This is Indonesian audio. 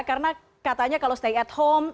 karena katanya kalau stay at home